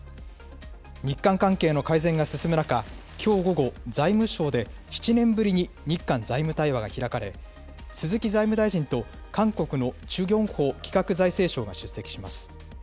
日韓関係の改善が進む中、きょう午後、財務省で７年ぶりに日韓財務対話が開かれ、鈴木財務大臣と韓国のチュ・ギョンホ企画財政相が出席します。